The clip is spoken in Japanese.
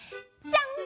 じゃん！